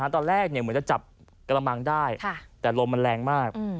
ตอนแรกเหมือนจะจับกระมังได้แต่ลมมันแรงมาก